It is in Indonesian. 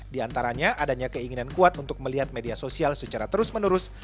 di antaranya adanya keinginan kuat untuk melihat media sosial secara terus menerus